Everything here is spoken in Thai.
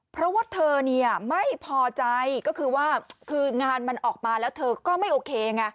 เพราะว่าเธอเนี่ยไม่พอใจก็คือว่าคืองานมันออกมาแล้วเธอก็ไม่โอเคไง